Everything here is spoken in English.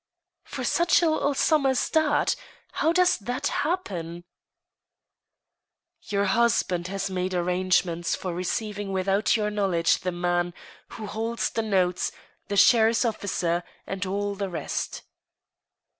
" For such a little sum as that ? How does that happen ?"" Your husband has made arrangements for receiving without your knowledge the man who holds the notes, the sheriff's officer, 2^nd all the rest."